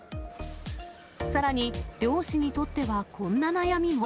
さらに、漁師にとってはこんな悩みも。